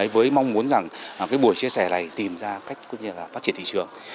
với mong muốn rằng buổi chia sẻ này tìm ra cách phát triển thị trường